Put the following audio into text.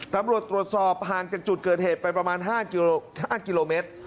ตำรวจตรวจสอบห่างจากจุดเกิดเหตุไปประมาณ๕กิโลเมตร